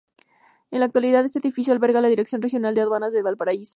En la actualidad, este edificio alberga la Dirección Regional de Aduanas de Valparaíso.